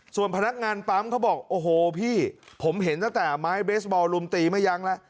ส่วนพนักงานปั๊มเขาบอกโอ้โหพี่ผมเห็นตั้งแต่ไม้เบสบอลลุมตีไม่ยั้งแล้ว